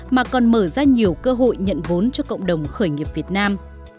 mà còn mở ra nhiều cơ hội nhận vốn cho cộng đồng khởi nghiệp việt nam